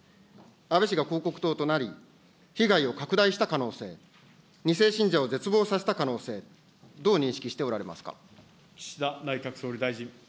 安倍氏が広告塔となり、被害を拡大した可能性、２世信者を絶望させた可能性、どう認識しておられますか。